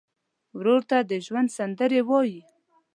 ورور ته د ژوند سندرې وایې.